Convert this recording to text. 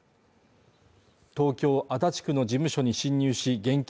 東京・足立区の事務所に侵入し現金